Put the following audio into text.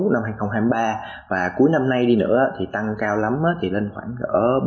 năm hai nghìn hai mươi ba và cuối năm nay đi nữa thì tăng cao lắm thì lên khoảng bốn bốn bốn năm